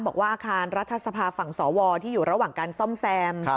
บอกว่าอาคารรัฐสภาฝั่งสวที่อยู่ระหว่างการซ่อมแซม